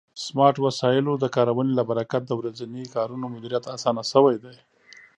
د سمارټ وسایلو د کارونې له برکت د ورځني کارونو مدیریت آسانه شوی دی.